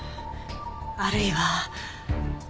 あるいは。